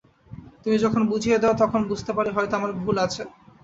তুমি যখন বুঝিয়ে দাও তখন বুঝতে পারি হয়তো আমার ভুল আছে।